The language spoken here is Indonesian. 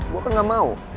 gue kan gak mau